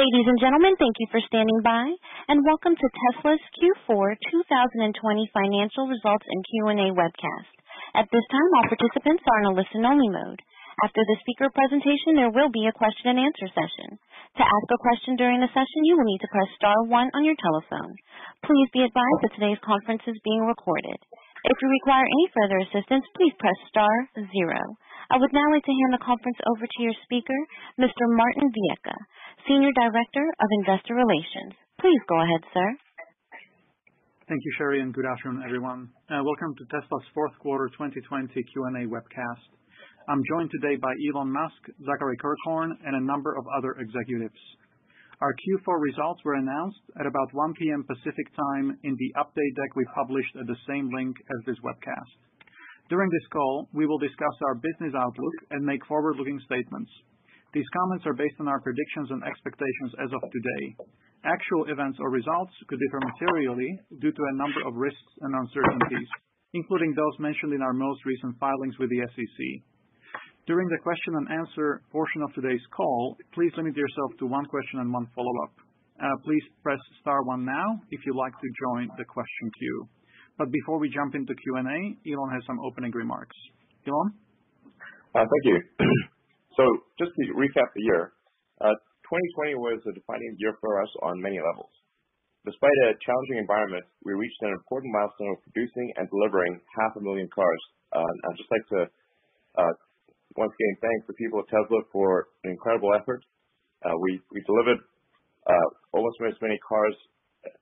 Ladies and gentlemen, thank you for standing by, and welcome to Tesla's Q4 2020 financial results and Q&A webcast. At this time all participants are in a listen-only-mode. After the speaker's presentation there will be a question-and-answer session. To ask a question during the session, you will need to press star one on your telephone. Please be advised that today's conference is being recorded. If you require any further assistance, please press star zero. I would now like to hand the conference over to your speaker, Mr. Martin Viecha, Senior Director of Investor Relations. Please go ahead, sir. Thank you, Sherry. Good afternoon, everyone. Welcome to Tesla's Q4 2020 Q&A webcast. I'm joined today by Elon Musk, Zachary Kirkhorn, and a number of other executives. Our Q4 results were announced at about 1:00 P.M. Pacific Time in the update deck we published at the same link as this webcast. During this call, we will discuss our business outlook and make forward-looking statements. These comments are based on our predictions and expectations as of today. Actual events or results could differ materially due to a number of risks and uncertainties, including those mentioned in our most recent filings with the SEC. During the question-and-answer portion of today's call, please limit yourself to one question and one follow-up. Before we jump into Q&A, Elon has some opening remarks. Elon? Thank you. Just to recap the year, 2020 was a defining year for us on many levels. Despite a challenging environment, we reached an important milestone of producing and delivering half a million cars. I'd just like to, once again, thank the people at Tesla for an incredible effort. We delivered almost as many cars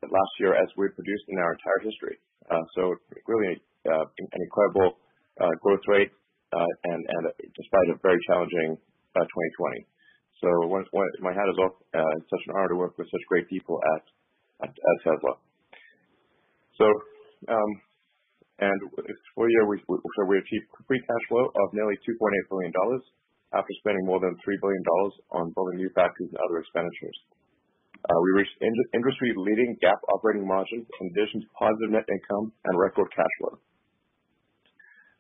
last year as we've produced in our entire history. Really, an incredible growth rate, and despite a very challenging 2020. My hat is off. It's such an honor to work with such great people at Tesla. For the year, we achieved free cash flow of nearly $2.8 billion after spending more than $3 billion on building new factories and other expenditures. We reached industry-leading GAAP operating margins in addition to positive net income and record cash flow.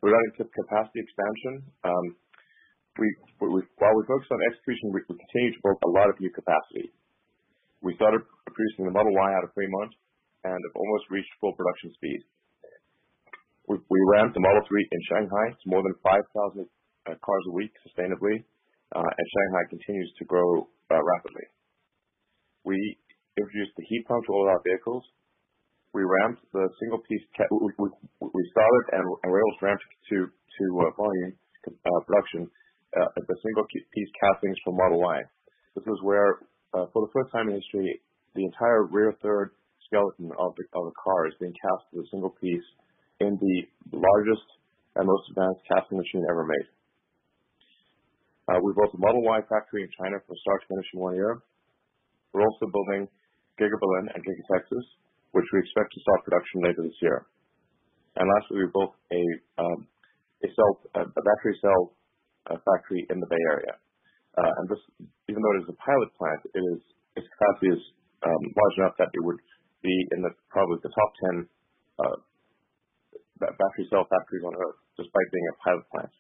Regarding to capacity expansion, while we focused on execution, we continued to build a lot of new capacity. We started producing the Model Y out of Fremont and have almost reached full production speed. We ramped the Model 3 in Shanghai to more than 5,000 cars a week sustainably, and Shanghai continues to grow rapidly. We introduced the heat pump to all of our vehicles. We started and we're able to ramp to volume production at the single-piece castings for Model Y. This is where, for the first time in history, the entire rear third skeleton of a car is being cast as a single piece in the largest and most advanced casting machine ever made. We built the Model Y factory in China from start to finish in one year. We're also building Giga Berlin and Giga Texas, which we expect to start production later this year. Lastly, we built a battery cell factory in the Bay Area. Even though it is a pilot plant, its capacity is large enough that it would be in probably the top 10 battery cell factories on Earth, despite being a pilot plant.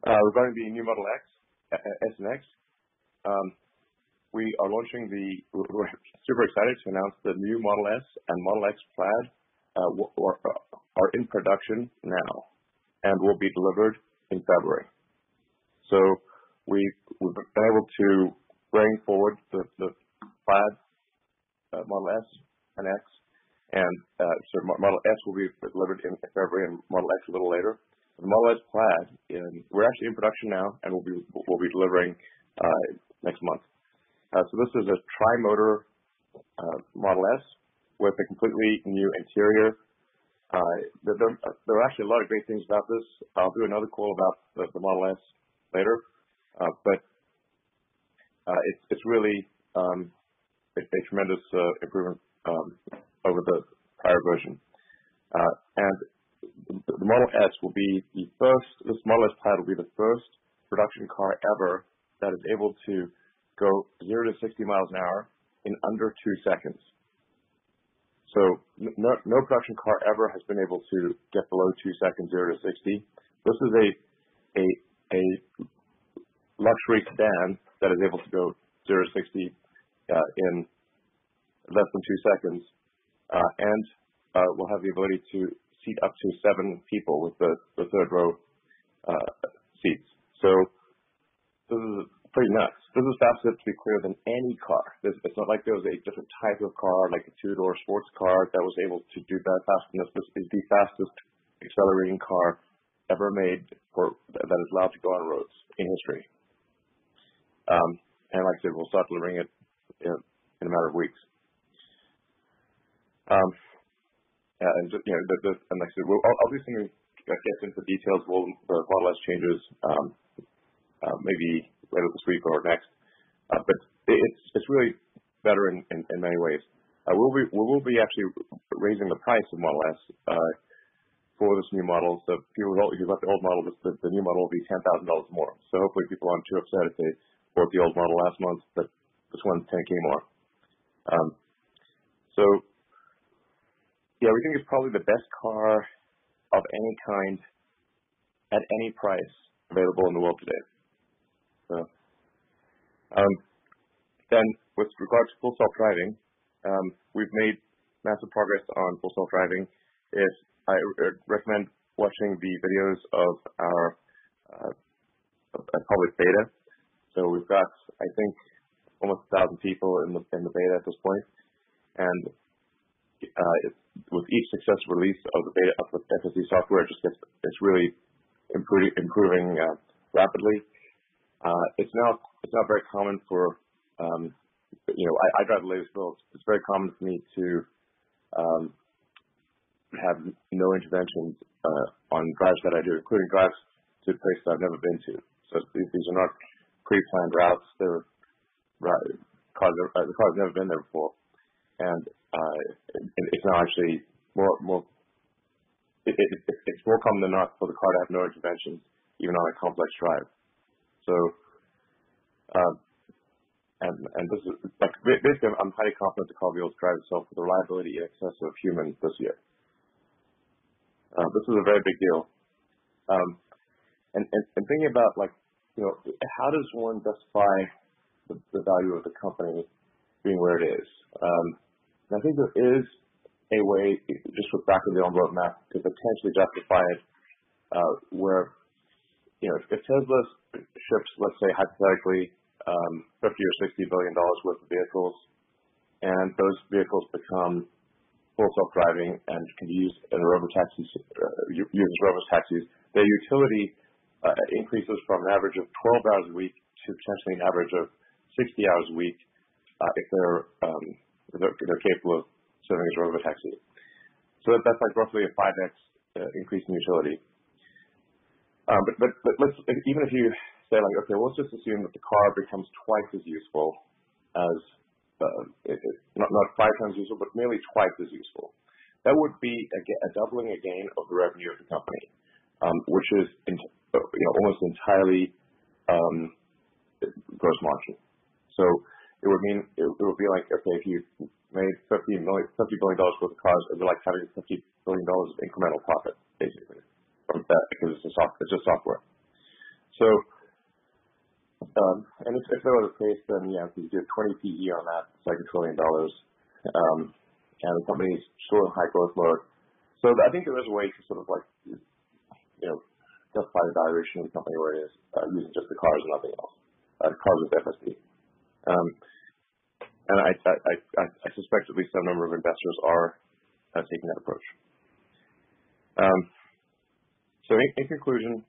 Regarding the new Model X, S and X, we're super excited to announce the new Model S and Model X Plaid are in production now and will be delivered in February. We've been able to bring forward the Plaid Model S and X. Model S will be delivered in February and Model X a little later. The Model S Plaid, we're actually in production now and we'll be delivering next month. This is a tri-motor Model S with a completely new interior. There are actually a lot of great things about this. I'll do another call about the Model S later. It's really a tremendous improvement over the prior version. The Model S Plaid will be the first production car ever that is able to go 0-60 miles an hour in under two seconds. No production car ever has been able to get below two seconds 0-60. This is a luxury sedan that is able to go 0-60 in less than two seconds and will have the ability to seat up to seven people with the third-row seats. This is pretty nuts. This is faster, to be clear, than any car. It's not like it was a different type of car, like a two-door sports car, that was able to do that faster than this. This is the fastest accelerating car ever made that is allowed to go on roads in history. Like I said, we'll start delivering it in a matter of weeks. Like I said, obviously, we'll get into details for the Model S changes maybe later this week or next. It's really better in many ways. We will be actually raising the price of Model S for this new model. If you bought the old model, just know the new model will be $10,000 more. Hopefully people aren't too upset if they bought the old model last month that this one's $10,000 more. Yeah, we think it's probably the best car of any kind at any price available in the world today. With regard to Full Self-Driving, we've made massive progress on Full Self-Driving. I recommend watching the videos of our public beta. We've got, I think, almost 1,000 people in the beta at this point, and with each successful release of the beta FSD software, it's really improving rapidly. I drive ladies' wheels. It's very common for me to have no interventions on drives that I do, including drives to places I've never been to. These are not pre-planned routes. The car's never been there before. It's more common than not for the car to have no interventions, even on a complex drive. Basically, I'm highly confident the car will be able to drive itself with a reliability in excess of humans this year. This is a very big deal. Thinking about how one justifies the value of the company being where it is. I think there is a way, just with back of the envelope math, to potentially justify it, where if Tesla ships, let's say, hypothetically, $50 billion or $60 billion worth of vehicles, and those vehicles become Full Self-Driving and can be used as robo-taxis, their utility increases from an average of 12 hours a week to potentially an average of 60 hours a week, if they're capable of serving as robo-taxis. That's roughly a 5x increase in utility. Even if you say, okay, let's just assume that the car becomes twice as useful, not five times useful, but merely twice as useful. That would be a doubling again of the revenue of the company, which is almost entirely gross margin. It would be like if you made $50 billion worth of cars, it'd be like having $50 billion of incremental profit, basically, from that, because it's just software. If that were the case, you have to do 20 PE on that, it's like $1 trillion, and the company's still high growth mode. I think there is a way to justify the valuation of the company where it is using just the cars and nothing else, cars with FSD. I suspect at least some number of investors are taking that approach. In conclusion,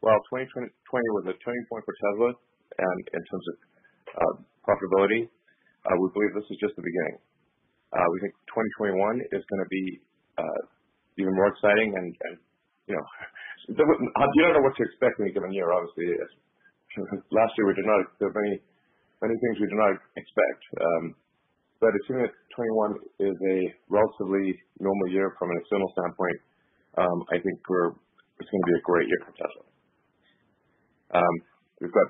while 2020 was a turning point for Tesla in terms of profitability, we believe this is just the beginning. We think 2021 is going to be even more exciting and, you know, you don't know what to expect in a given year, obviously. Last year, there were many things we did not expect. Assuming that 2021 is a relatively normal year from an external standpoint, I think it's going to be a great year for Tesla. We've got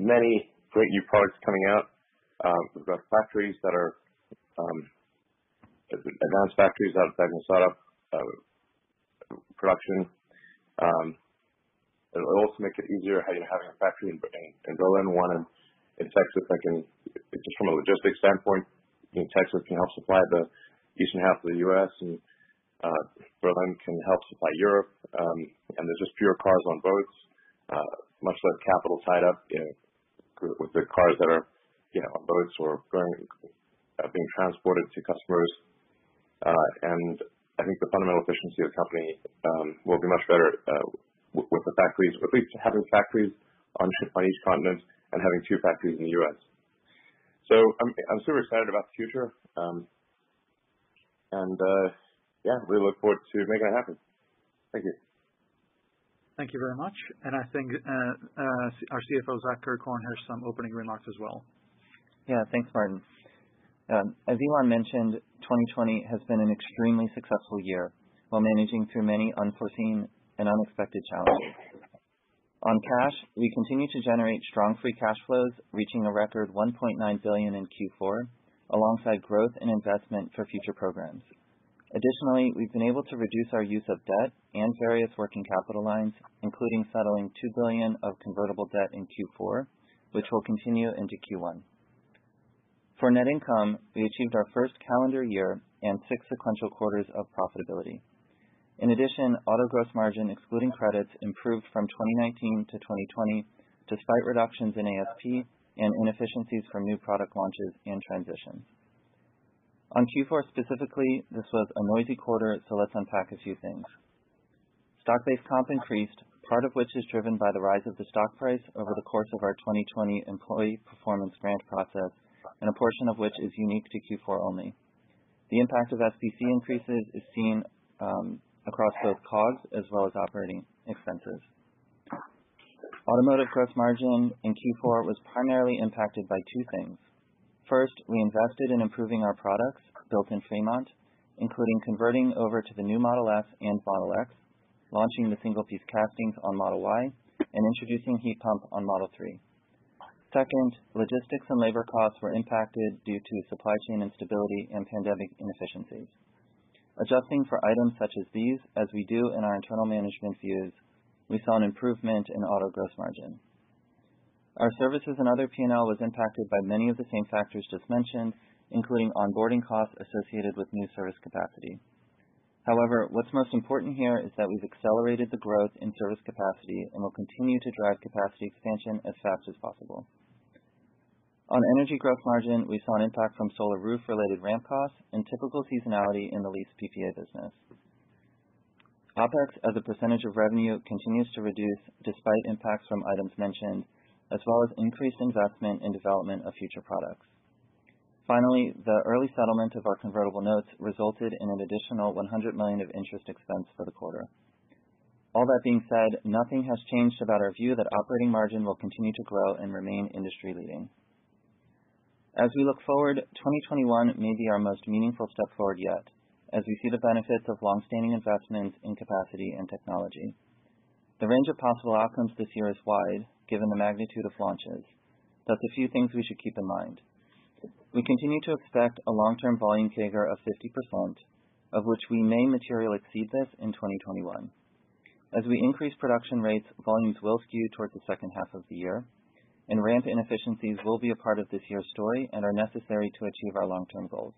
many great new products coming out. We've got factories that are announced factories that are starting up production. It'll also make it easier having a factory in Berlin, one in Texas, that can, just from a logistics standpoint, Texas can help supply the eastern half of the U.S., and Berlin can help supply Europe. There are just fewer cars on boats, much less capital tied up with the cars that are on boats or being transported to customers. I think the fundamental efficiency of the company will be much better with at least having factories on each continent and having two factories in the U.S. I'm super excited about the future. Yeah, we look forward to making it happen. Thank you. Thank you very much. I think our CFO, Zach Kirkhorn, has some opening remarks as well. Yeah. Thanks, Martin. As Elon mentioned, 2020 has been an extremely successful year while managing through many unforeseen and unexpected challenges. On cash, we continue to generate strong free cash flows, reaching a record $1.9 billion in Q4, alongside growth and investment for future programs. Additionally, we've been able to reduce our use of debt and various working capital lines, including settling $2 billion of convertible debt in Q4, which will continue into Q1. For net income, we achieved our first calendar year and six sequential quarters of profitability. In addition, auto gross margin, excluding credits, improved from 2019-2020, despite reductions in ASP and inefficiencies from new product launches and transitions. On Q4 specifically, this was a noisy quarter. Let's unpack a few things. Stock-based comp increased, part of which is driven by the rise of the stock price over the course of our 2020 employee performance grant process, and a portion of which is unique to Q4 only. The impact of SBC increases is seen across both COGS as well as operating expenses. Automotive gross margin in Q4 was primarily impacted by two things. First, we invested in improving our products built in Fremont, including converting over to the new Model S and Model X, launching the single-piece castings on Model Y, and introducing heat pump on Model 3. Second, logistics and labor costs were impacted due to supply chain instability and pandemic inefficiencies. Adjusting for items such as these, as we do in our internal management views, we saw an improvement in auto gross margin. Our services and other P&L were impacted by many of the same factors just mentioned, including onboarding costs associated with new service capacity. What's most important here is that we've accelerated the growth in service capacity and will continue to drive capacity expansion as fast as possible. On energy gross margin, we saw an impact from Solar Roof related ramp costs and typical seasonality in the leased PPA business. OpEx as a percentage of revenue continues to reduce despite impacts from items mentioned, as well as increased investment in development of future products. The early settlement of our convertible notes resulted in an additional $100 million of interest expense for the quarter. All that being said, nothing has changed about our view that operating margin will continue to grow and remain industry leading. As we look forward, 2021 may be our most meaningful step forward yet as we see the benefits of longstanding investments in capacity and technology. The range of possible outcomes this year is wide, given the magnitude of launches. Thus, a few things we should keep in mind. We continue to expect a long-term volume CAGR of 50%, of which we may materially exceed this in 2021. As we increase production rates, volumes will skew towards the H2 of the year, and ramp inefficiencies will be a part of this year's story and are necessary to achieve our long-term goals.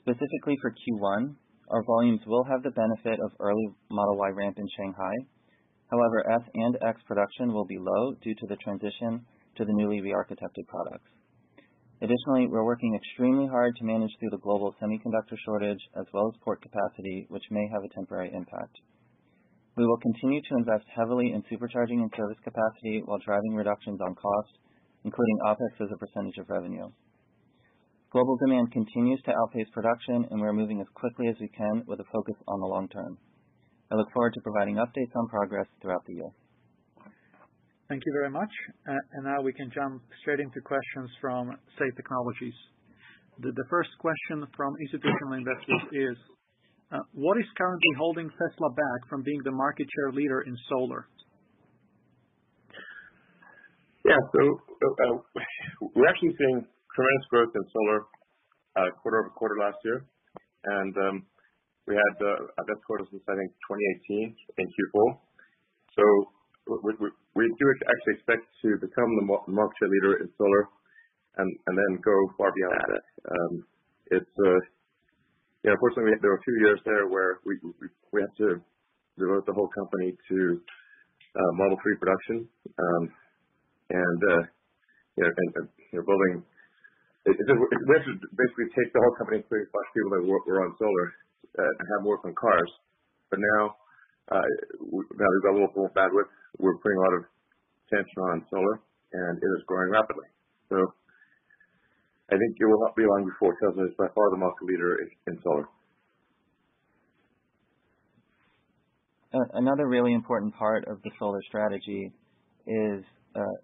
Specifically, for Q1, our volumes will have the benefit of early Model Y ramp in Shanghai. However, S and X production will be low due to the transition to the newly rearchitected products. Additionally, we're working extremely hard to manage through the global semiconductor shortage as well as port capacity, which may have a temporary impact. We will continue to invest heavily in Supercharging and service capacity while driving reductions on costs, including OpEx as a percentage of revenue. Global demand continues to outpace production and we're moving as quickly as we can with a focus on the long term. I look forward to providing updates on progress throughout the year. Thank you very much. Now we can jump straight into questions from Say Technologies. The first question from institutional investors is, what is currently holding Tesla back from being the market share leader in solar? Yeah, we're actually seeing tremendous growth in solar quarter-over-quarter last year. We had our best quarter since, I think, 2018 in Q4. We do actually expect to become the market share leader in solar and then go far beyond that. Unfortunately, there were a few years there where we had to devote the whole company to Model 3 production. We had to basically take the whole company, including a bunch of people that worked around solar, and have them work on cars. Now we've got available bandwidth. We're putting a lot of attention on solar, and it is growing rapidly. I think it will not be long before Tesla is by far the market leader in solar. Another really important part of the solar strategy is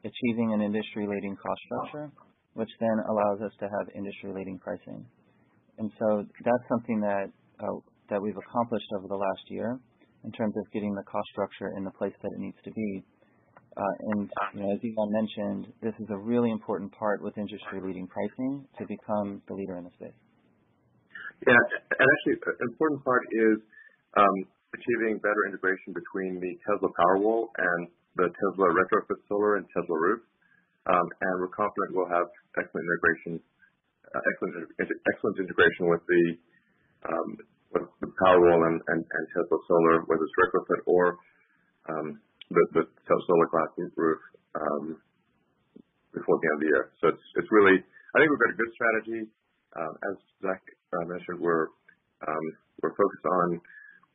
achieving an industry-leading cost structure, which then allows us to have industry-leading pricing. That's something that we've accomplished over the last year in terms of getting the cost structure in the place that it needs to be. As Elon mentioned, this is a really important part with industry-leading pricing to become the leader in the space. Yeah. Actually, an important part is achieving better integration between the Tesla Powerwall and the Tesla retrofit solar and Tesla roof. We're confident we'll have excellent integration with the Powerwall and Tesla solar, whether it's retrofit or the Tesla Solar Roof before the end of the year. I think we've got a good strategy. As Zach mentioned, we're focused on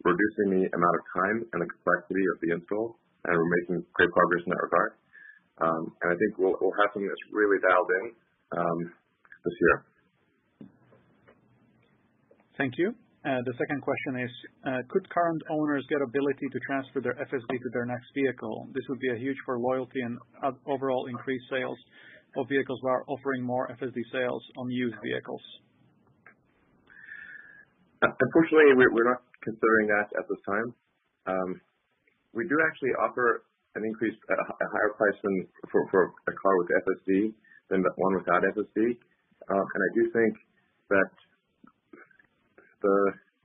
reducing the amount of time and complexity of the install, and we're making great progress in that regard. I think we'll have something that's really dialed in this year. Thank you. The second question is, could current owners get ability to transfer their FSD to their next vehicle? This would be a huge for loyalty and overall increased sales for vehicles that are offering more FSD sales on used vehicles. Unfortunately, we're not considering that at this time. We do actually offer a higher pricing for a car with FSD than one without FSD. I do think that the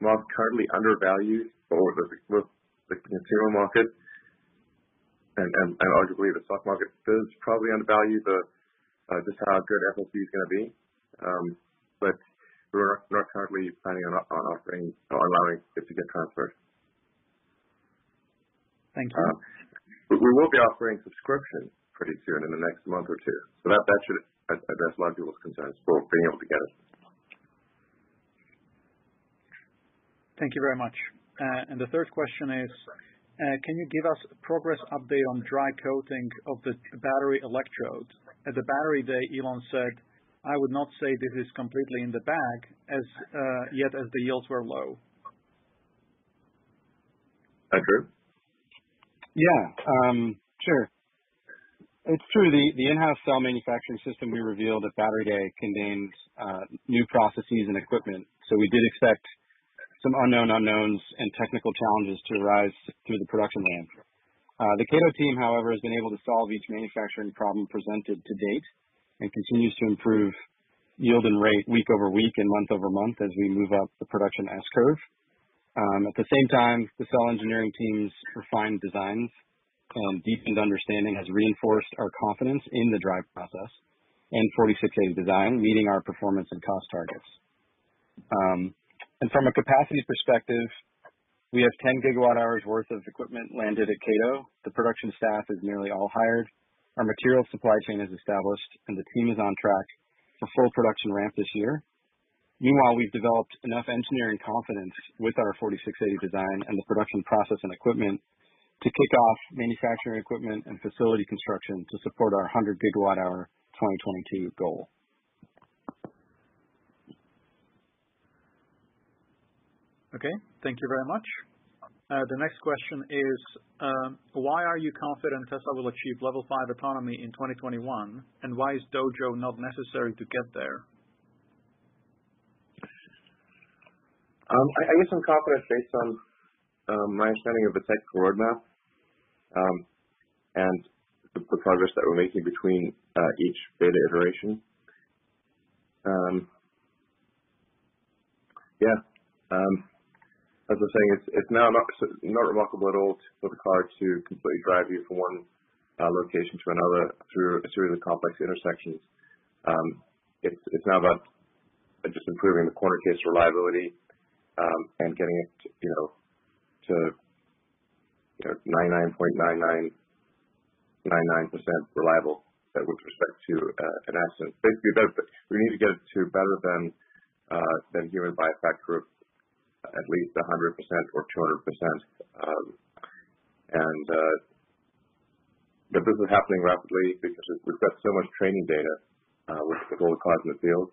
market currently undervalues the consumer market and arguably the stock market does probably undervalue just how good FSD is going to be. We're not currently planning on allowing it to get transferred. Thank you. We will be offering subscription pretty soon in the next month or two. That should address a lot of people's concerns for being able to get it. Thank you very much. The third question is, can you give us progress update on dry coating of the battery electrodes? At the Battery Day, Elon said, "I would not say this is completely in the bag as yet as the yields were low. Zachary? Yeah. Sure. It is true. The in-house cell manufacturing system we revealed at Battery Day contains new processes and equipment. We did expect some unknown unknowns and technical challenges to arise through the production ramp. The Kato team, however, has been able to solve each manufacturing problem presented to date and continues to improve yield and rate week-over-week and month-over-month as we move up the production S-curve. At the same time, the cell engineering team's refined designs, deepened understanding has reinforced our confidence in the dry process and 4680 design, meeting our performance and cost targets. From a capacity perspective, we have 10 GWh worth of equipment landed at Kato. The production staff is nearly all hired. Our material supply chain is established; the team is on track for full production ramp this year. Meanwhile, we've developed enough engineering confidence with our 4680 design and the production process and equipment to kick off manufacturing equipment and facility construction to support our 100 GWh 2022 goal. Okay. Thank you very much. The next question is, why are you confident Tesla will achieve Level 5 autonomy in 2021, and why is Dojo not necessary to get there? I guess I'm confident based on my understanding of the tech roadmap, and the progress that we're making between each beta iteration. Yeah. As I was saying, it's now not remarkable at all for the car to completely drive you from one location to another through a series of complex intersections. It's now about just improving the corner case reliability, and getting it to 99.9999% reliable with respect to an accident. We need to get it to better than human by a factor of at least 100% or 200%. This is happening rapidly because we've got so much training data with the robot cars in the field.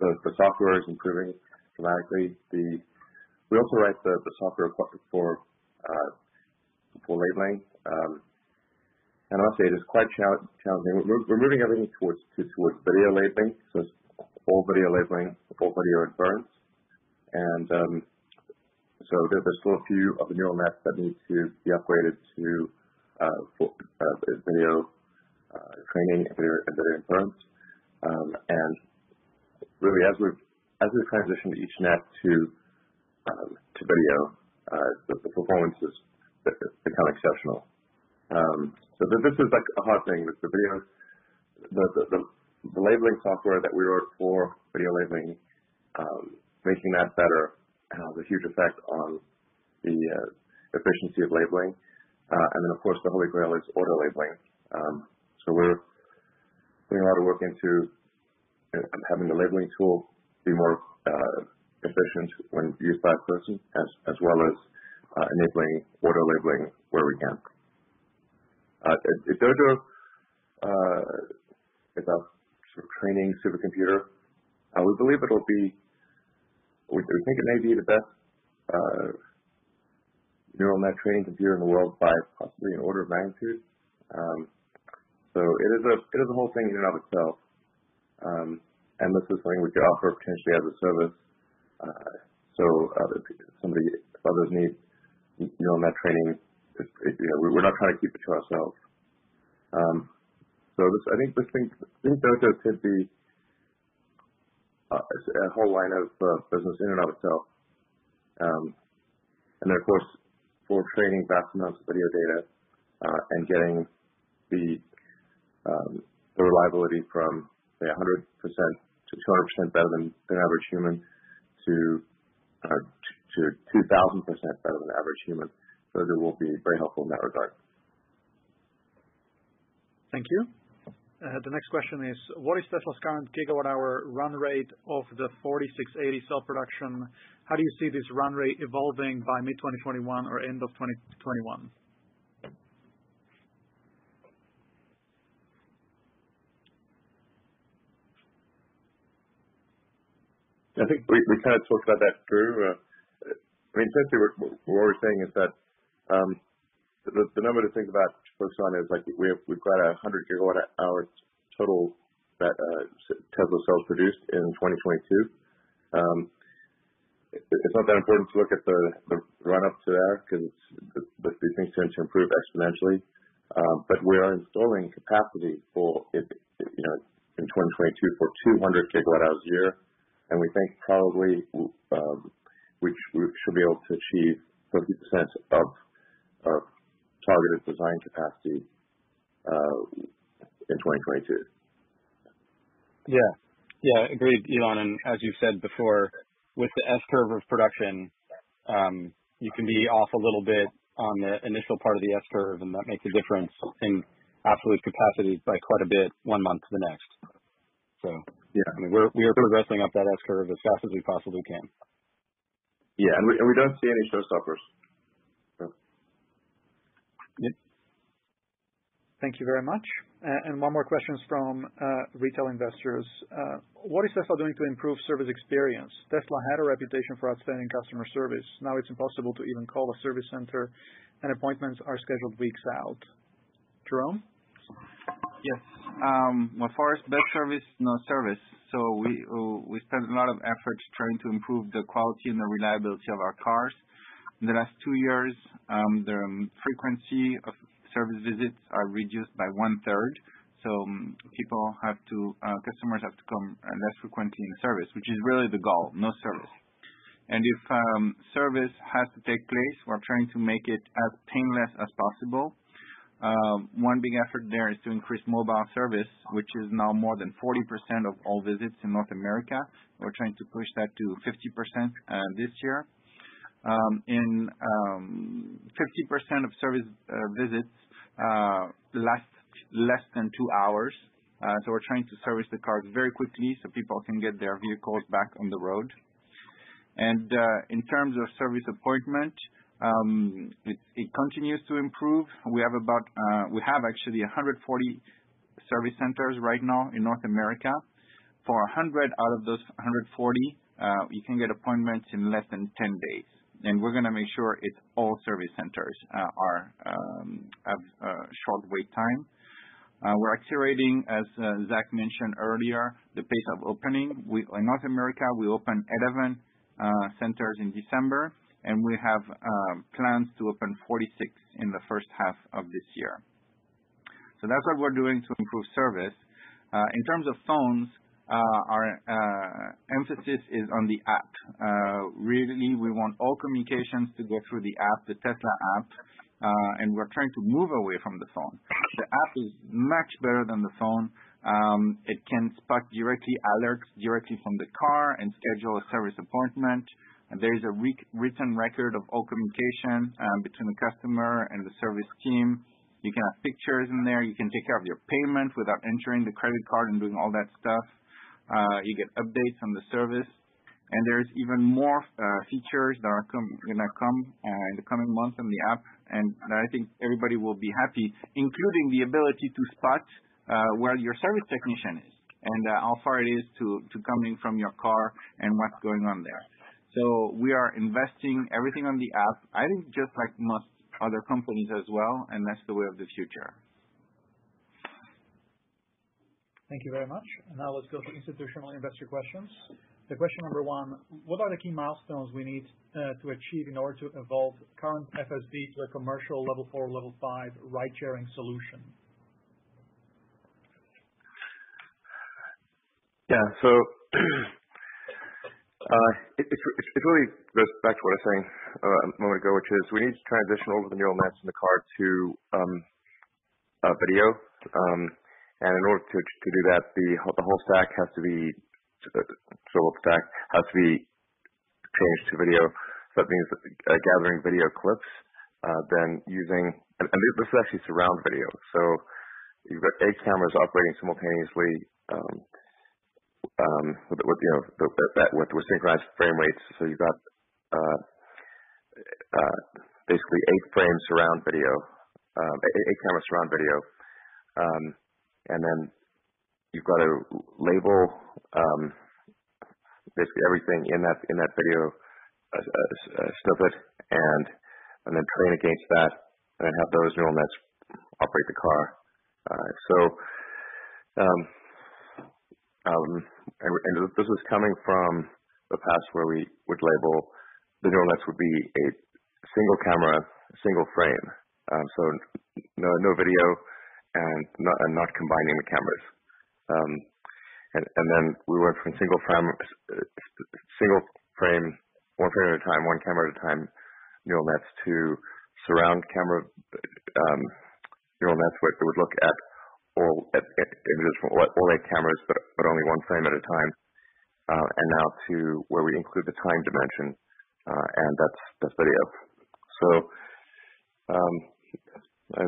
The software is improving dramatically. We also write the software of course for labeling. Honestly, it is quite challenging. We're moving everything towards video labeling. It's all video labeling, all video inference. There's still a few of the neural nets that need to be upgraded to full video training and video inference. Really, as we've transitioned each net to video, the performance has become exceptional. This is a hard thing with the video, the labeling software that we wrote for video labeling, making that better has a huge effect on the efficiency of labeling. Of course, the holy grail is auto labeling. We're putting a lot of work into having the labeling tool be more efficient when used by a person, as well as enabling auto labeling where we can. The Dojo is our sort of training supercomputer. We think it may be the best neural net training computer in the world by possibly an order of magnitude. It is a whole thing in and of itself. This is something we could offer potentially as a service. If others need neural net training, we're not trying to keep it to ourselves. I think Dojo could be a whole line of business in and of itself. Then of course, for training vast amounts of video data, and getting the reliability from, say, 100%-200% better than an average human to 2,000% better than an average human. It will be very helpful in that regard. Thank you. The next question is, what is Tesla's current gigawatt hour run rate of the 4680 cell production? How do you see this run rate evolving by mid-2021 or end of 2021? I think we kind of talked about that through. What we're saying is that the number to think about for this one is we've got 100 GWh total Tesla cells produced in 2022. It's not that important to look at the run-up to that because these things tend to improve exponentially. We are installing capacity in 2022 for 200 GWh a year, and we think probably we should be able to achieve 30% of our targeted design capacity in 2022. Yeah. Agreed, Elon, as you've said before, with the S-curve of production, you can be off a little bit on the initial part of the S-curve, and that makes a difference in absolute capacity by quite a bit one month to the next. Yeah. We are progressing up that S-curve as fast as we possibly can. Yeah, we don't see any showstopper. Thank you very much. One more question from retail investors. What is Tesla doing to improve service experience? Tesla had a reputation for outstanding customer service. Now it's impossible to even call a service center, and appointments are scheduled weeks out. Jerome? Yes. For us, best service, no service. We spend a lot of efforts trying to improve the quality and the reliability of our cars. In the last two years, the frequency of service visits are reduced by one-third. Customers have to come less frequently in service, which is really the goal, no service. If service has to take place, we're trying to make it as painless as possible. One big effort there is to increase mobile service, which is now more than 40% of all visits in North America. We're trying to push that to 50% this year. 50% of service visits last less than two hours. We're trying to service the cars very quickly so people can get their vehicles back on the road. In terms of service appointment, it continues to improve. We have actually 140 service centers right now in North America. For 100 out of those 140, you can get appointments in less than 10 days. We're going to make sure it's all service centers have a short wait time. We're accelerating, as Zach mentioned earlier, the pace of opening. In North America, we opened 11 centers in December, and we have plans to open 46 in the H1 of this year. That's what we're doing to improve service. In terms of phones, our emphasis is on the app. Really, we want all communications to go through the app, the Tesla app, and we're trying to move away from the phone. The app is much better than the phone. It can spark alerts directly from the car and schedule a service appointment. There is a written record of all communication between the customer and the service team. You can have pictures in there. You can take care of your payment without entering the credit card and doing all that stuff. You get updates on the service. There's even more features that are going to come in the coming months on the app. I think everybody will be happy, including the ability to spot where your service technician is and how far it is to coming from your car and what's going on there. We are investing everything on the app, I think just like most other companies as well. That's the way of the future. Thank you very much. Let's go to institutional investor questions. Question number one, what are the key milestones we need to achieve in order to evolve current FSD to a commercial Level 4 or Level 5 ride-sharing solution? Yeah. It really goes back to what I was saying a moment ago, which is we need to transition all of the neural nets in the car to video. In order to do that, the whole stack has to be changed to video. That means gathering video clips. This is actually surround video. You've got eight cameras operating simultaneously with synchronized frame rates. You've got basically eight-camera surround video. Then you've got to label basically everything in that video snippet, and then train against that, and then have those neural nets operate the car. This is coming from the past where we would label the neural nets would be a single camera, a single frame. No video and not combining the cameras. We went from single frame, one frame at a time, one camera at a time, neural nets to surround camera neural nets, where it would look at all eight cameras, but only one frame at a time, and now to where we include the time dimension, and that's video. I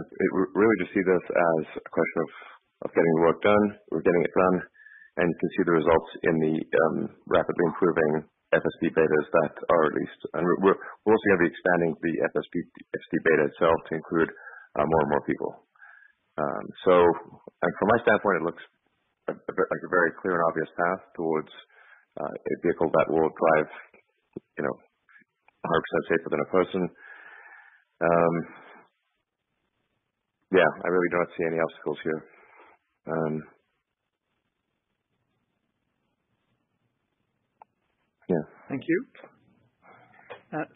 really just see this as a question of getting work done. We're getting it done, and you can see the results in the rapidly improving FSD betas that are released. We're also going to be expanding the FSD beta itself to include more and more people. From my standpoint, it looks like a very clear and obvious path towards a vehicle that will drive 100% safer than a person. Yeah, I really don't see any obstacles here. Yeah. Thank you.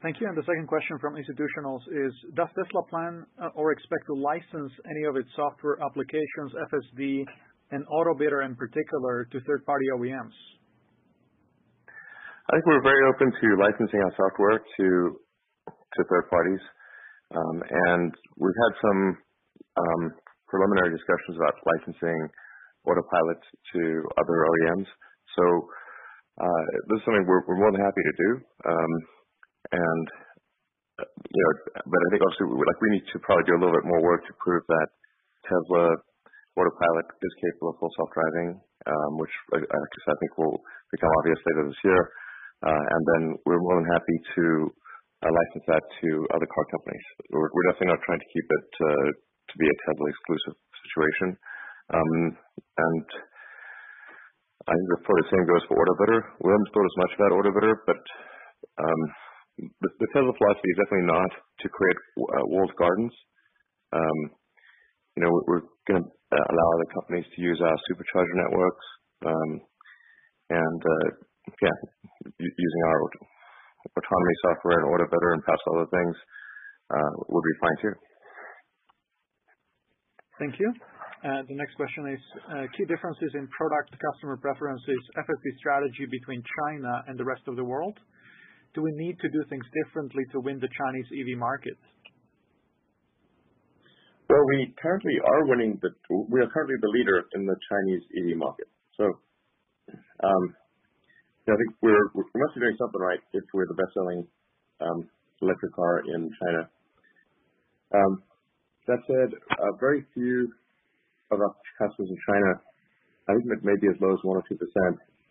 Thank you. The second question from institutionals is, "Does Tesla plan or expect to license any of its software applications, FSD and Autobidder in particular, to third-party OEMs? I think we're very open to licensing our software to third parties. We've had some preliminary discussions about licensing Autopilot to other OEMs. This is something we're more than happy to do. I think also, we need to probably do a little bit more work to prove that Tesla Autopilot is capable of full self-driving, which I think will become obvious later this year. We're more than happy to license that to other car companies. We're definitely not trying to keep it to be a Tesla-exclusive situation. I think probably the same goes for Autobidder. We haven't spoke as much about Autobidder, but the Tesla philosophy is definitely not to create walled gardens. We're going to allow other companies to use our Supercharger networks. Yeah, using our autonomy software and Autobidder and perhaps other things will be fine, too. Thank you. The next question is, key differences in product customer preferences, FSD strategy between China and the rest of the world. Do we need to do things differently to win the Chinese EV market? Well, we are currently the leader in the Chinese EV market. I think we must be doing something right if we're the best-selling electric car in China. That said, very few of our customers in China, I think maybe as low as 1% or 2%,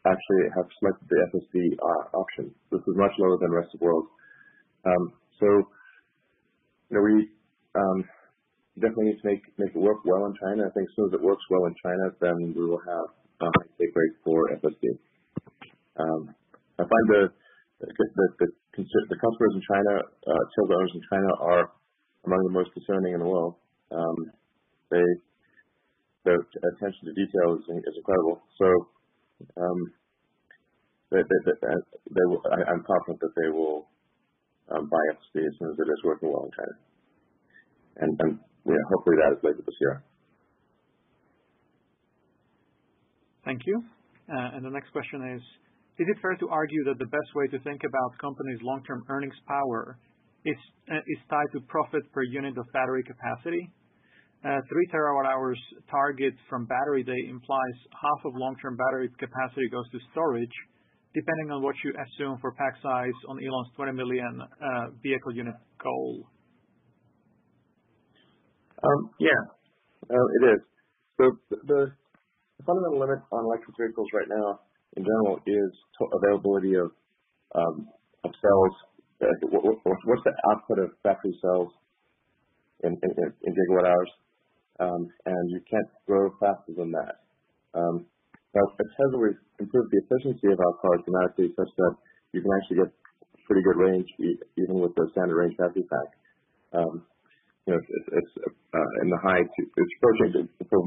actually have selected the FSD option. This is much lower than the rest of the world. We definitely need to make it work well in China. I think as soon as it works well in China, then we will have a great take rate for FSD. I find the customers in China, Tesla owners in China, are among the most discerning in the world. Their attention to detail is incredible. I'm confident that they will buy FSD as soon as it is working well in China. Hopefully that is later this year. Thank you. The next question is: Is it fair to argue that the best way to think about company's long-term earnings power is tied to profit per unit of battery capacity? Three terawatt hours target from Battery Day implies half of long-term battery capacity goes to storage, depending on what you assume for pack size on Elon's 20 million vehicle unit goal. Yeah, it is. The fundamental limit on electric vehicles right now in general is availability of cells. What's the output of battery cells in gigawatt hours, and you can't grow faster than that. Now, at Tesla, we've improved the efficiency of our cars dramatically such that you can actually get pretty good range even with the standard range battery pack. The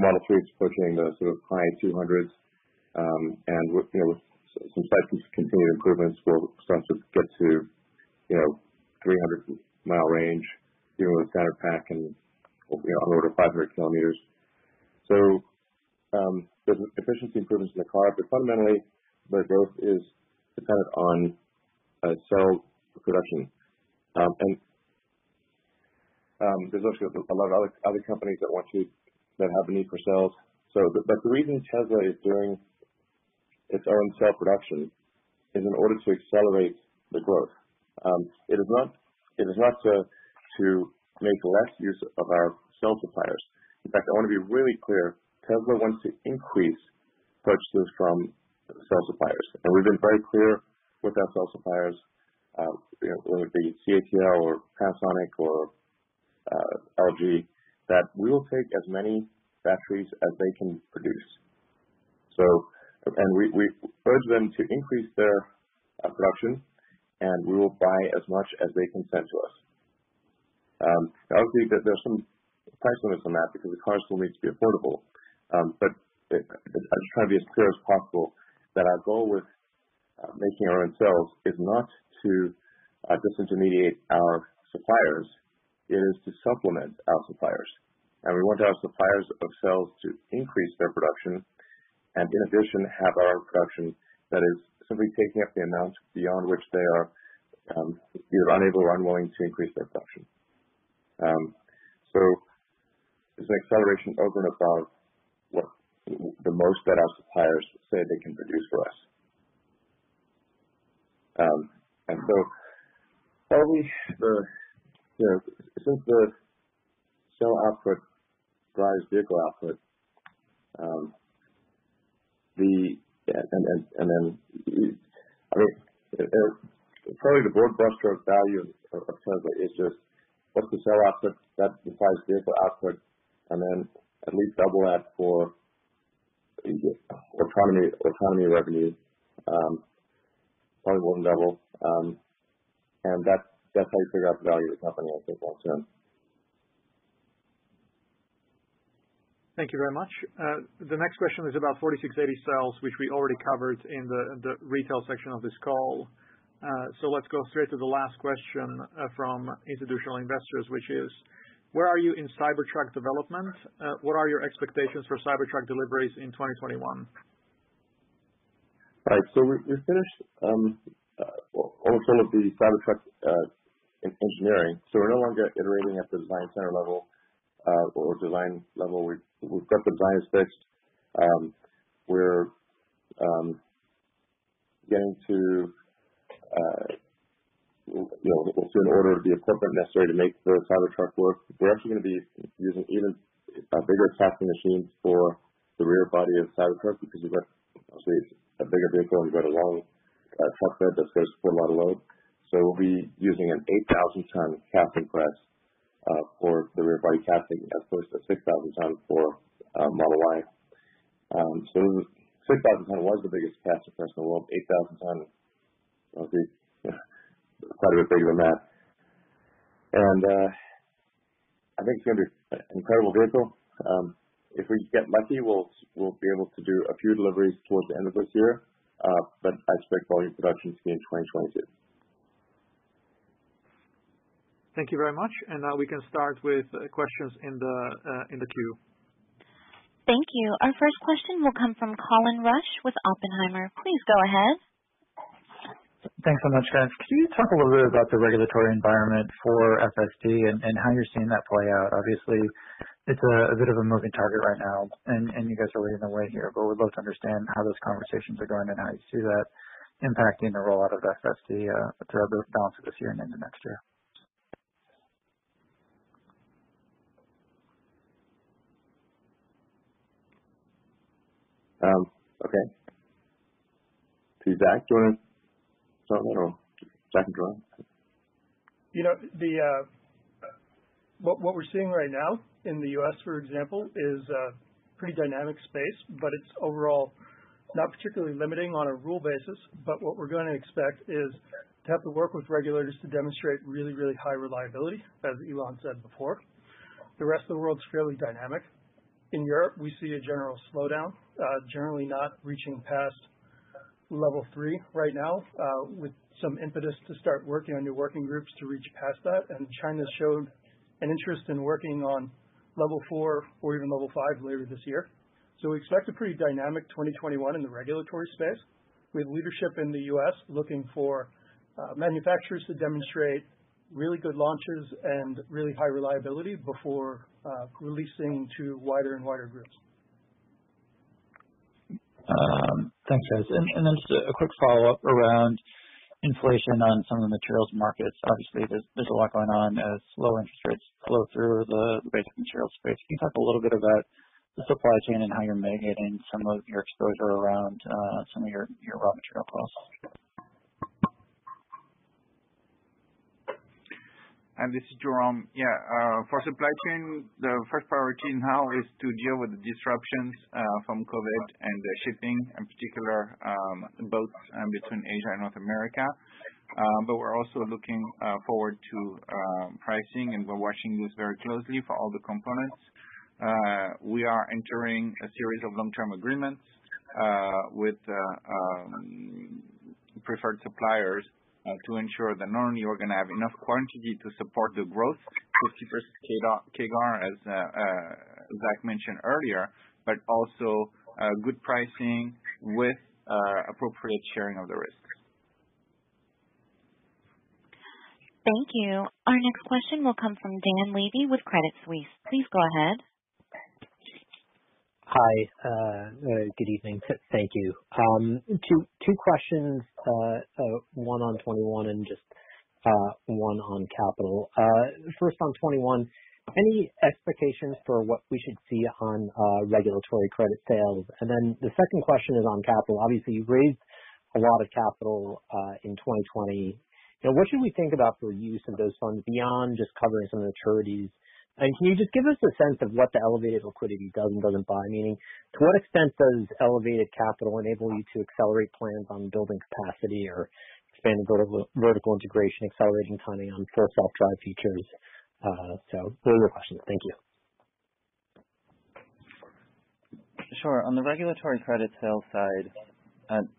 Model 3 is pushing the high 200s, and with some subsequent continued improvements, we'll start to get to 300-mile range even with a standard pack and on the order of 500 kilometers. There's efficiency improvements in the car, but fundamentally, their growth is dependent on cell production. There's also a lot of other companies that have a need for cells. The reason Tesla is doing its own cell production is in order to accelerate the growth. It is not to make less use of our cell suppliers. I want to be really clear, Tesla wants to increase purchases from cell suppliers. We've been very clear with our cell suppliers, whether it be CATL or Panasonic or LG, that we will take as many batteries as they can produce. We urge them to increase their production, and we will buy as much as they can send to us. Obviously, there's some price limits on that because the car still needs to be affordable. I just try to be as clear as possible that our goal with making our own cells is not to disintermediate our suppliers. It is to supplement our suppliers. We want our suppliers of cells to increase their production in addition have our production that is simply taking up the amount beyond which they are either unable or unwilling to increase their production. It's an acceleration open about what the most that our suppliers say they can produce for us. Since the cell output drives vehicle output, and then probably the broad-brush stroke value of Tesla is just what's the cell output that drives vehicle output, and then at least double that for Autonomy revenue run-rate level. That's how you figure out the value of the company, I think, long term. Thank you very much. The next question is about 4680 cells, which we already covered in the retail section of this call. Let's go straight to the last question from institutional investors, which is, where are you in Cybertruck development? What are your expectations for Cybertruck deliveries in 2021? We finished all of the Cybertruck engineering. We're no longer iterating at the design center level or design level. We've got the designs fixed. We're getting to an order of the equipment necessary to make the Cybertruck work. We're actually going to be using even bigger casting machines for the rear body of Cybertruck because obviously it's a bigger vehicle and we've got a long truck bed that's going to support a lot of load. We'll be using an 8,000-ton casting press for the rear body casting, of course, the 6,000 ton for Model Y. 6,000 ton was the biggest casting press in the world, 8,000 ton will be quite a bit bigger than that. I think it's going to be an incredible vehicle. If we get lucky, we'll be able to do a few deliveries towards the end of this year. I expect volume production to be in 2022. Thank you very much. Now we can start with questions in the queue. Thank you. Our first question will come from Colin Rusch with Oppenheimer. Please go ahead. Thanks so much, guys. Can you talk a little bit about the regulatory environment for FSD and how you're seeing that play out? It's a bit of a moving target right now and you guys are leading the way here, but we'd love to understand how those conversations are going and how you see that impacting the rollout of FSD throughout the balance of this year and into next year. Okay. Zach, do you want to start that or Jerome? What we're seeing right now in the U.S., for example, is a pretty dynamic space, it's overall not particularly limiting on a rule basis. What we're going to expect is to have to work with regulators to demonstrate really, really high reliability, as Elon said before. The rest of the world's fairly dynamic. In Europe, we see a general slowdown, generally not reaching past Level 3 right now, with some impetus to start working on new working groups to reach past that. China's showed an interest in working on Level 4 or even Level 5 later this year. We expect a pretty dynamic 2021 in the regulatory space. We have leadership in the U.S. looking for manufacturers to demonstrate really good launches and really high reliability before releasing to wider and wider groups. Thanks, guys. Just a quick follow-up around inflation on some of the materials markets. Obviously, there's a lot going on as low interest rates flow through the basic materials space. Can you talk a little bit about the supply chain and how you're mitigating some of your exposure around some of your raw material costs? This is Jerome. Yeah. For supply chain, the first priority now is to deal with the disruptions from COVID and the shipping, in particular, boats between Asia and North America. We're also looking forward to pricing, and we're watching this very closely for all the components. We are entering a series of long-term agreements with preferred suppliers to ensure that not only we're going to have enough quantity to support the growth, 50% CAGR, as Zach mentioned earlier, but also good pricing with appropriate sharing of the risks. Thank you. Our next question will come from Dan Levy with Credit Suisse. Please go ahead. Hi. Good evening. Thank you. Two questions, one on 2021 and just one on capital. First on 2021, any expectations for what we should see on regulatory credit sales? The second question is on capital. Obviously, you've raised a lot of capital in 2020. What should we think about the use of those funds beyond just covering some of the maturities? Can you just give us a sense of what the elevated liquidity does and doesn't buy? Meaning, to what extent does elevated capital enable you to accelerate plans on building capacity or expanding vertical integration, accelerating timing on Full Self-Driving features? Those are the questions. Thank you. Sure. On the regulatory credit sales side,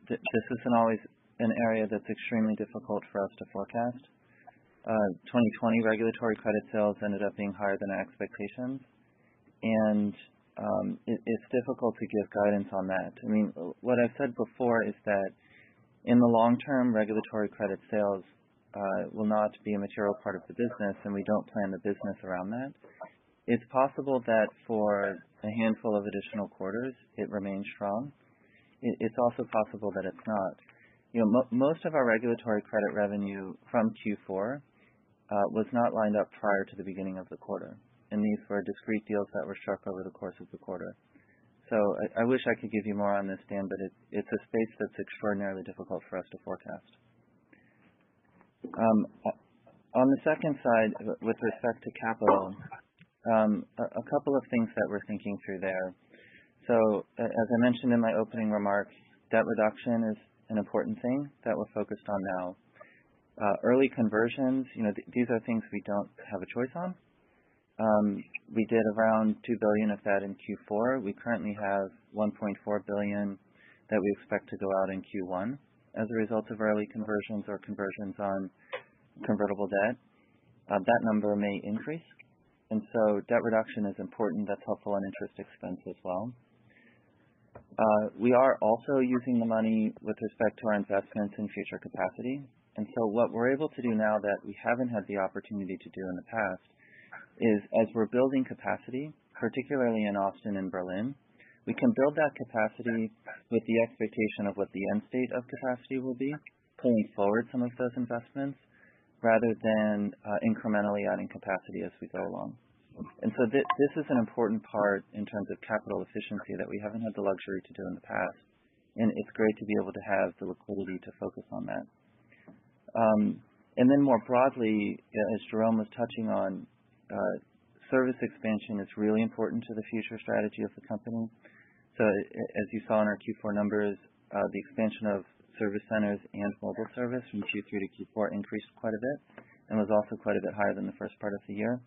this is always an area that's extremely difficult for us to forecast. 2020 regulatory credit sales ended up being higher than our expectations. It's difficult to give guidance on that. What I've said before is that in the long term, regulatory credit sales will not be a material part of the business. We don't plan the business around that. It's possible that for a handful of additional quarters, it remains strong. It's also possible that it's not. Most of our regulatory credit revenue from Q4 was not lined up prior to the beginning of the quarter. These were discrete deals that were struck over the course of the quarter. I wish I could give you more on this, Dan. It's a space that's extraordinarily difficult for us to forecast. On the second side, with respect to capital, a couple of things that we're thinking through there. As I mentioned in my opening remarks, debt reduction is an important thing that we're focused on now. Early conversions, these are things we don't have a choice on. We did around $2 billion of that in Q4. We currently have $1.4 billion that we expect to go out in Q1 as a result of early conversions or conversions on convertible debt. That number may increase, and so debt reduction is important. That's helpful on interest expense as well. We are also using the money with respect to our investments in future capacity. What we're able to do now that we haven't had the opportunity to do in the past is as we're building capacity, particularly in Austin and Berlin, we can build that capacity with the expectation of what the end state of capacity will be, pulling forward some of those investments rather than incrementally adding capacity as we go along. This is an important part in terms of capital efficiency that we haven't had the luxury to do in the past, and it's great to be able to have the liquidity to focus on that. More broadly, as Jerome was touching on, service expansion is really important to the future strategy of the company. As you saw in our Q4 numbers, the expansion of service centers and mobile service from Q3-Q4 increased quite a bit and was also quite a bit higher than the first part of the year.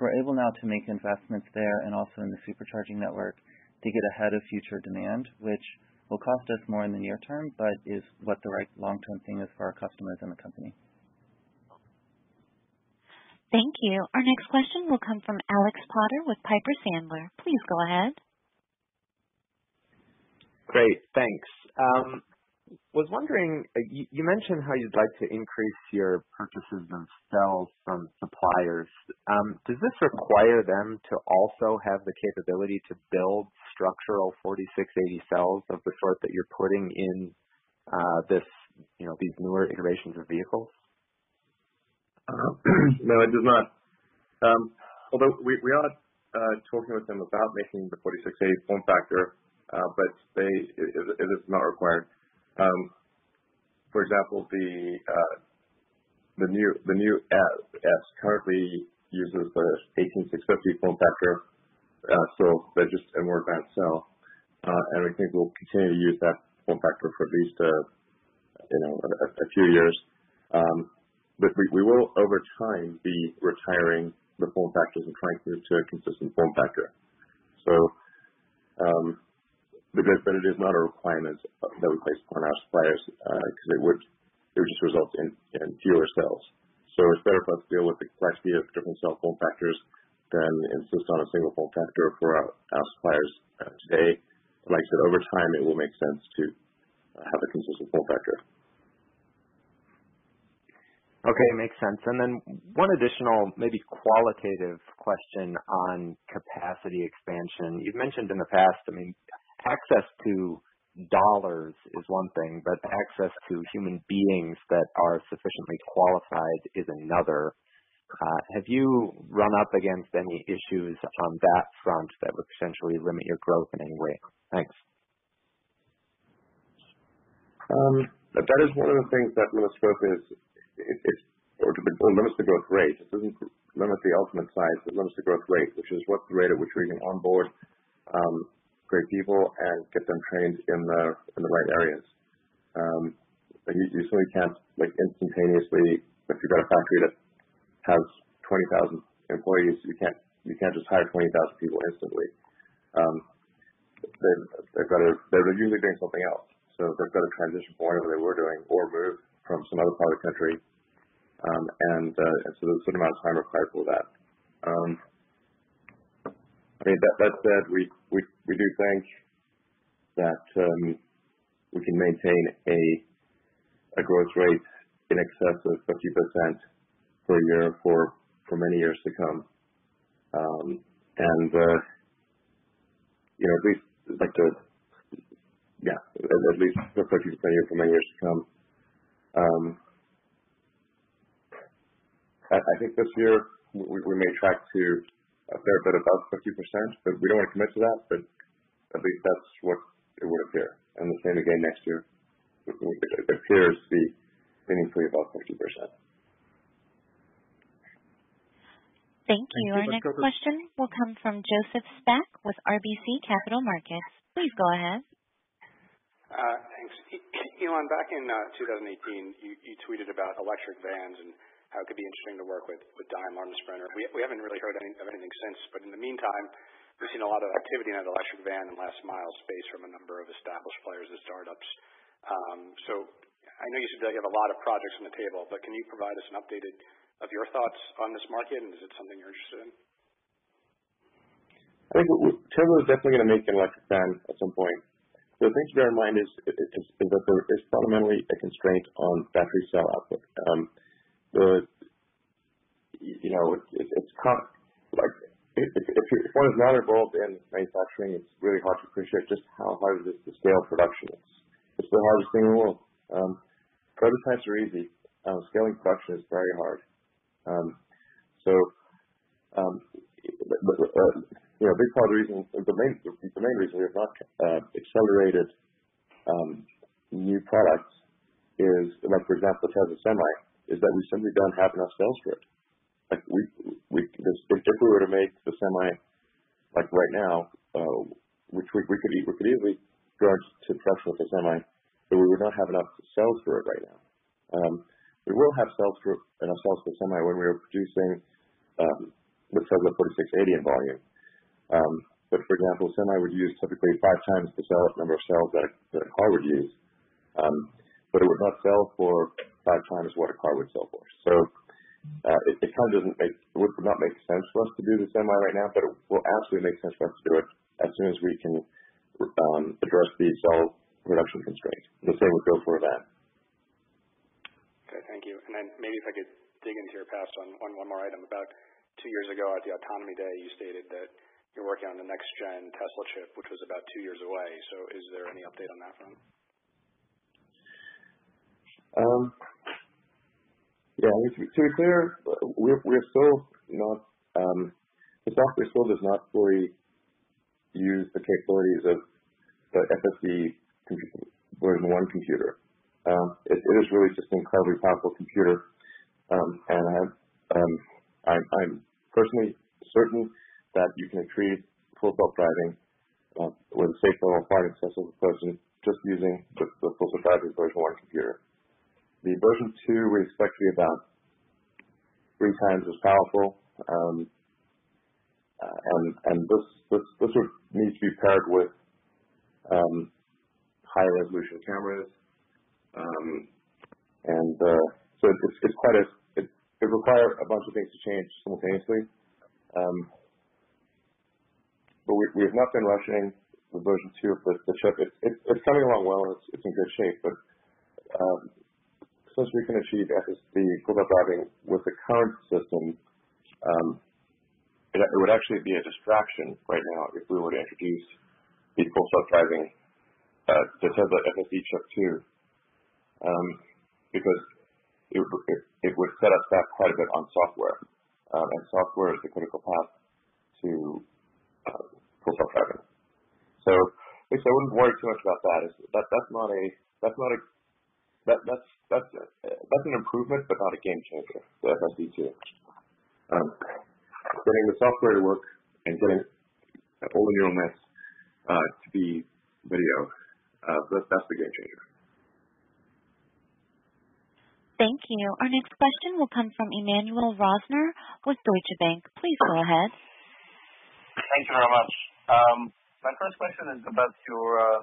We're able now to make investments there and also in the Supercharging network to get ahead of future demand, which will cost us more in the near term, but is what the right long-term thing is for our customers and the company. Thank you. Our next question will come from Alex Potter with Piper Sandler. Please go ahead. Great, thanks. Was wondering, you mentioned how you'd like to increase your purchases and sales from suppliers. Does this require them to also have the capability to build structural 4680 cells of the sort that you're putting in these newer iterations of vehicles? No, it does not. Although we are talking with them about making the 4680 form factor, but it is not required. For example, the new S currently uses the 18650 form factor, so they just inward that cell. I think we'll continue to use that form factor for at least a few years. We will, over time, be retiring the form factors and trying to move to a consistent form factor. It is not a requirement that we place upon our suppliers because it would just result in fewer cells. It's better for us to deal with the complexity of different cell form factors than insist on a single form factor for our suppliers today. Like I said, over time, it will make sense to have a consistent form factor. Okay, makes sense. One additional, maybe qualitative question on capacity expansion. You've mentioned in the past, access to dollars is one thing, access to human beings that are sufficiently qualified is another. Have you run up against any issues on that front that would potentially limit your growth in any way? Thanks. That is one of the things that limits growth is, or limits the growth rate. This doesn't limit the ultimate size, it limits the growth rate, which is what the rate at which we can onboard great people and get them trained in the right areas. You certainly can't instantaneously, if you've got a factory that has 20,000 employees, you can't just hire 20,000 people instantly. They're usually doing something else. They've got to transition from whatever they were doing or move from some other part of the country. There's a certain amount of time required for that. That said, we do think that we can maintain a growth rate in excess of 50% per year for many years to come. At least for 50% per year for many years to come. I think this year we may track to a fair bit above 50%, but we don't want to commit to that, but at least that's what we're at there. The same again next year, it appears to be meaningfully above 50%. Thank you. Our next question will come from Joseph Spak with RBC Capital Markets. Please go ahead. Thanks. Elon, back in 2018, you tweeted about electric vans and how it could be interesting to work with Daimler and Sprinter. We haven't really heard of anything since, but in the meantime, we've seen a lot of activity in that electric van and last mile space from a number of established players and startups. I know you said that you have a lot of projects on the table, but can you provide us an update of your thoughts on this market, and is it something you're interested in? I think Tesla is definitely going to make an electric van at some point. The thing to bear in mind is that there is fundamentally a constraint on battery cell output. If one is not involved in manufacturing, it's really hard to appreciate just how hard it is to scale production. It's the hardest thing in the world. Prototypes are easy. Scaling production is very hard. A big part of the reason, the main reason we have not accelerated new products is, for example, the Tesla Semi, is that we simply don't have enough cells for it. If we were to make the Semi right now, we could easily go into production with the Semi, but we would not have enough cells for it right now. We will have cells for it, enough cells for Semi when we are producing the Tesla 4680 in volume. For example, Semi would use typically five times the number of cells that a car would use. It would not sell for five times what a car would sell for. It would not make sense for us to do the Semi right now, but it will absolutely make sense for us to do it as soon as we can address the cell production constraints. The same would go for a van. Okay, thank you. Maybe if I could dig into your past on one more item. About two years ago at the Autonomy Day, you stated that you're working on the next gen Tesla chip, which was about two years away. Is there any update on that front? Yeah, to be clear, the software still does not fully use the capabilities of the FSD Version 1 Computer. It is really just an incredibly powerful computer, and I'm personally certain that you can achieve Full Self-Driving with safe Level 5 success with just using the Full Self-Driving Version 1 Computer. The Version 2 is roughly about three times as powerful, and this would need to be paired with higher resolution cameras. It requires a bunch of things to change simultaneously. We have not been rushing the Version 2 for the chip. It's coming along well, and it's in good shape, since we can achieve FSD Full Self-Driving with the current system, it would actually be a distraction right now if we were to introduce the Full Self-Driving Tesla FSD chip 2 because it would set us back quite a bit on software. Software is the critical path to full self-driving. I wouldn't worry too much about that. That's an improvement, but not a game changer to FSD 2. Getting the software to work and getting all the neural nets to the video, that's the game changer. Thank you. Our next question will come from Emmanuel Rosner with Deutsche Bank. Please go ahead. Thank you very much. My first question is about your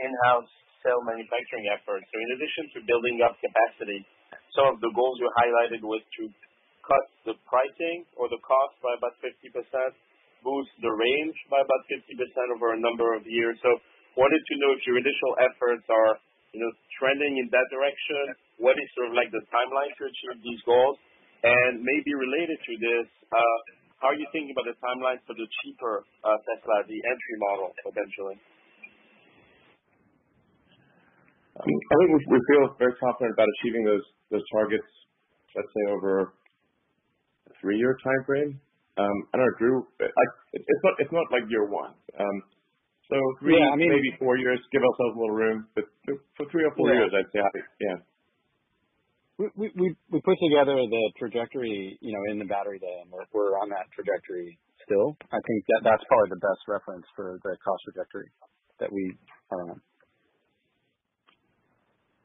in-house cell manufacturing efforts. In addition to building up capacity, some of the goals you highlighted was to cut the pricing or the cost by about 50%, boost the range by about 50% over a number of years. Wanted to know if your initial efforts are trending in that direction. What is sort of like the timeline to achieve these goals? Maybe related to this, how are you thinking about the timeline for the cheaper Tesla, the entry model, eventually? I think we feel very confident about achieving those targets, let's say, over a three-year timeframe. Our group, it's not like year one. Three, maybe four years, give ourselves a little room, but for three or four years, I'd say. Yeah. We put together the trajectory in the Battery Day, and we're on that trajectory still. I think that's probably the best reference for the cost trajectory that we.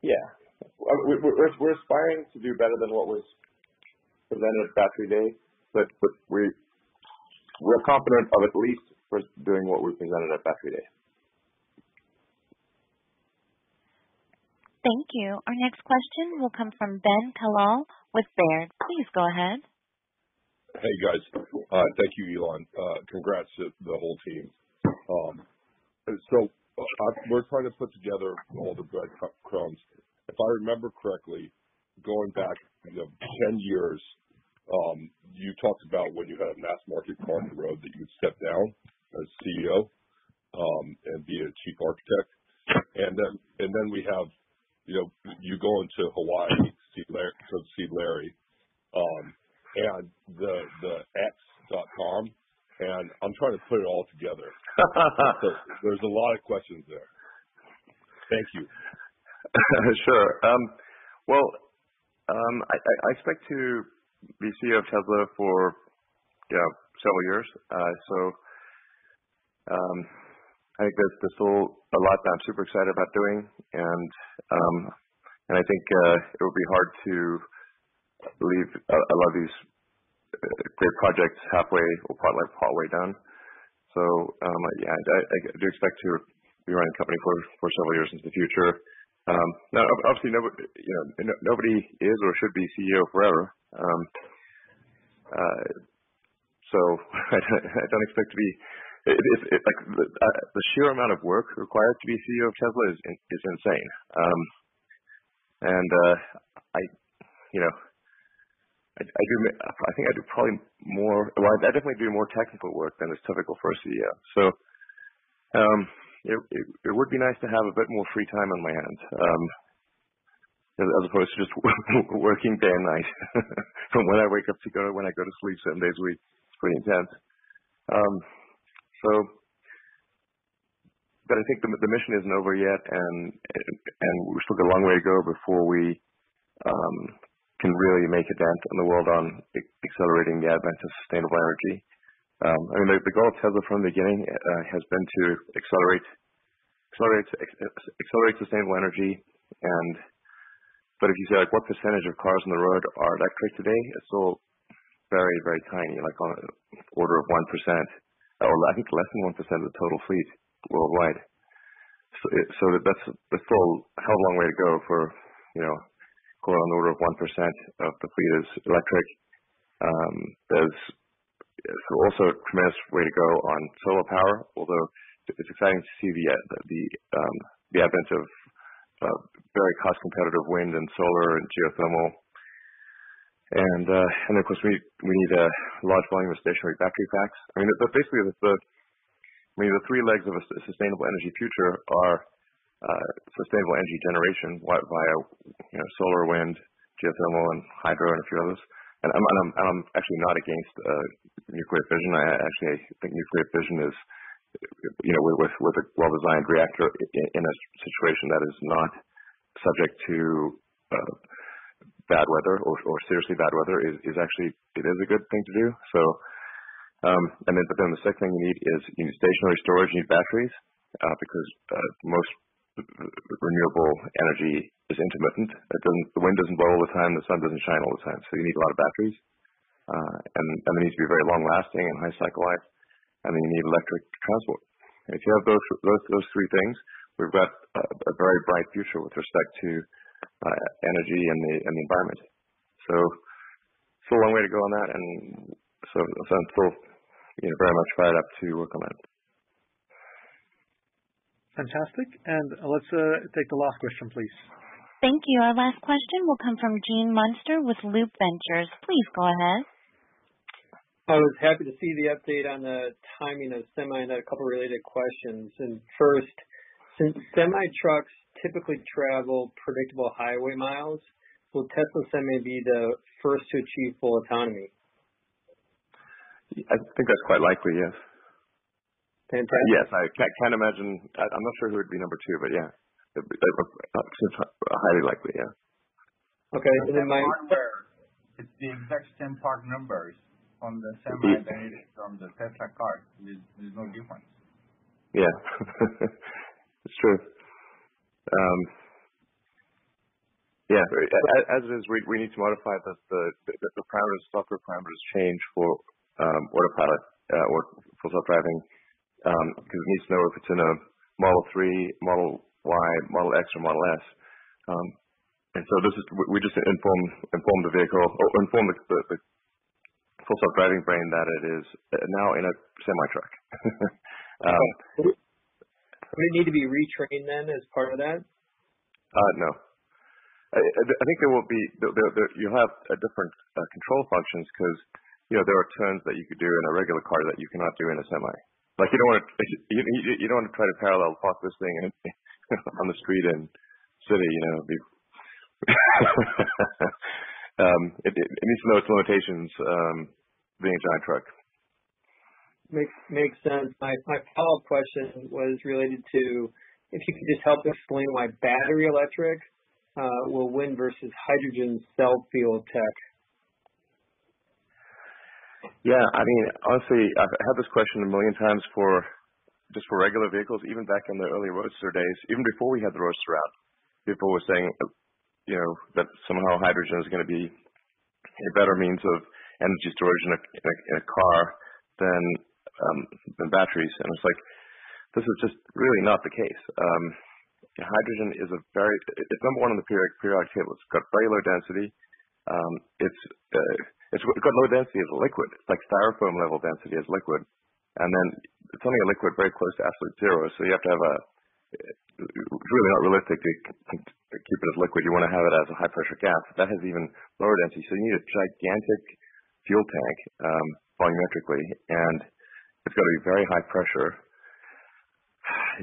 Yeah. We're aspiring to do better than what was presented at Battery Day, but we're confident of at least doing what we presented at Battery Day. Thank you. Our next question will come from Ben Kallo with Baird. Please go ahead. Hey, guys. Thank you, Elon. Congrats to the whole team. We're trying to put together all the breadcrumbs. If I remember correctly, going back, you know, 10 years, you talked about when you had a mass market car on the road that you would step down as CEO, and be a chief architect. Then, we have you going to Hawaii to see Larry, and the X.com, and I'm trying to put it all together. There's a lot of questions there. Thank you. Sure. Well, I expect to be CEO of Tesla for several years. I think there's still a lot that I'm super excited about doing, and I think it would be hard to leave a lot of these great projects halfway or probably partway done. Yeah, I do expect to be running the company for several years into the future. Now, obviously, nobody is or should be CEO forever. The sheer amount of work required to be CEO of Tesla is insane. I think I do probably more, well, I definitely do more technical work than is typical for a CEO. It would be nice to have a bit more free time on my hands, as opposed to just working day and night from when I wake up to go, when I go to sleep, seven days a week. It's pretty intense. I think the mission isn't over yet, and we've still got a long way to go before we can really make a dent in the world on accelerating the advent of sustainable energy. I mean, the goal of Tesla from the beginning has been to accelerate sustainable energy. If you say, like what percentage of cars on the road are electric today, it's still very tiny, like on the order of 1%, or I think less than 1% of the total fleet worldwide. That's still have a long way to go for current order of 1% of the fleet is electric. There's also a tremendous way to go on solar power, although it's exciting to see the advent of very cost competitive wind and solar and geothermal. And of course, we need a large volume of stationary battery packs. Basically, the three legs of a sustainable energy future are sustainable energy generation via solar, wind, geothermal, and hydro, and a few others. I'm actually not against nuclear fission. Actually, I think nuclear fission, with a well-designed reactor in a situation that is not subject to bad weather or seriously bad weather, it is a good thing to do. The second thing you need is you need stationary storage, you need batteries, because most renewable energy is intermittent. The wind doesn't blow all the time, the sun doesn't shine all the time. You need a lot of batteries. They need to be very long-lasting and high cycle life. You need electric transport. If you have those three things, we've got a very bright future with respect to energy and the environment. A long way to go on that and still very much right up to your comment. Fantastic. Let's take the last question, please. Thank you. Our last question will come from Gene Munster with Loup Ventures. Please go ahead. I was happy to see the update on the timing of the Semi and I had a couple of related questions. First, since semi trucks typically travel predictable highway miles, will Tesla Semi be the first to achieve full autonomy? I think that's quite likely, yes. Same track? Yes, I can't imagine. I'm not sure who would be number two, but yeah. Highly likely, yeah. Okay. It's the exact same part numbers on the Semi than it is on the Tesla car. There's no difference. Yeah. It's true. Yeah. As it is, we need to modify the software parameters change for Autopilot or for self-driving, because it needs to know if it's in a Model 3, Model Y, Model X, or Model S. We just inform the vehicle or inform the full self-driving brain that it is now in a semi-truck. Would it need to be retrained then as part of that? No. I think you'll have different control functions because there are turns that you could do in a regular car that you cannot do in a Semi. You don't want to try to parallel park this thing on the street in the city. It needs to know its limitations being a giant truck. Makes sense. My follow-up question was related to if you could just help explain why battery electric will win versus hydrogen cell fuel tech? Yeah. Honestly, I've had this question one million times just for regular vehicles, even back in the early Roadster days, even before we had the Roadster out. People were saying that somehow hydrogen is going to be a better means of energy storage in a car than batteries. It's like, this is just really not the case. Hydrogen, it's number one on the periodic table. It's got very low density. It's got lower density as a liquid. It's like Styrofoam level density as a liquid. Then it's only a liquid very close to absolute zero, so it's really not realistic to keep it as a liquid. You want to have it as a high-pressure gas. That has even lower density. You need a gigantic fuel tank volumetrically, and it's got to be very high pressure.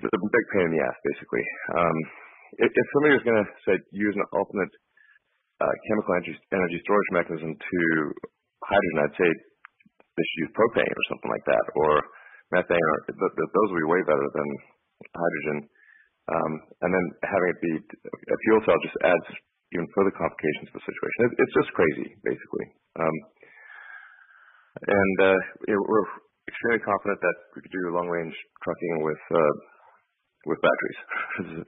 It's a big pain in the ass, basically. If somebody was going to use an alternate chemical energy storage mechanism to hydrogen, I'd say they should use propane or something like that, or methane. Those would be way better than hydrogen. Having it be a fuel cell just adds even further complications to the situation. It's just crazy, basically. We're extremely confident that we could do long-range trucking with batteries.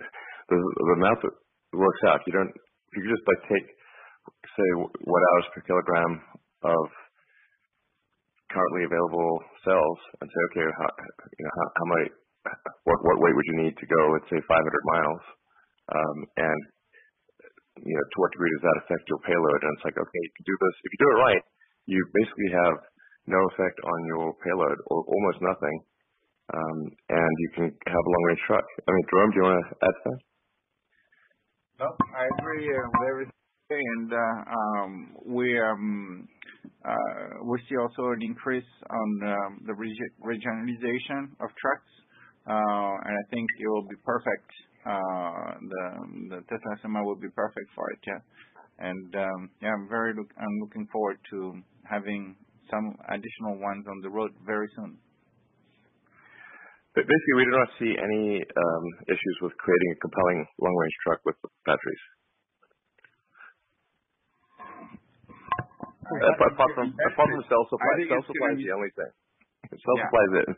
The math works out. You just take, say, watt hours per kilogram of currently available cells and say, "Okay, what weight would you need to go, let's say, 500 miles? To what degree does that affect your payload?" It's like, okay, if you do it right, you basically have no effect on your payload, or almost nothing, and you can have a long-range truck. Jerome, do you want to add to that? No, I agree with everything. We see also an increase on the regionalization of trucks. I think it will be perfect. The Tesla Semi will be perfect for it, yeah. Yeah, I'm looking forward to having some additional ones on the road very soon. Basically, we do not see any issues with creating a compelling long-range truck with batteries. Apart from cell supply. Cell supply is the only thing. Cell supply is it.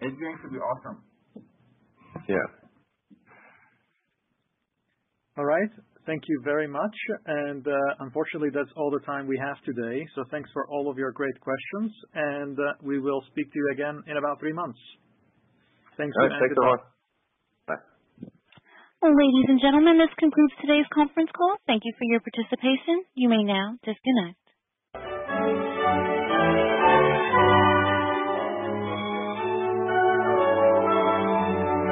It's going to be awesome. Yeah. All right. Thank you very much. Unfortunately, that's all the time we have today. Thanks for all of your great questions, and we will speak to you again in about three months. Thanks again. All right. Thanks a lot. Bye. Ladies and gentlemen, this concludes today's conference call. Thank you for your participation. You may now disconnect.